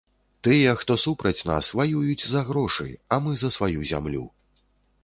Тыя, хто супраць нас, ваююць за грошы, а мы за сваю зямлю.